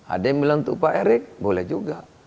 ada yang bilang untuk pak erick boleh juga